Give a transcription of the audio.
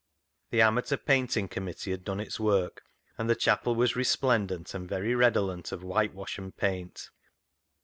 The Amateur Painting Committee had done its work, and the chapel was resplendent and very redolent of whitewash and paint.